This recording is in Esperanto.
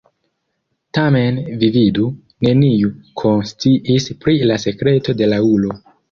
Tamen, vi vidu, neniu konsciis pri la sekreto de la ulo.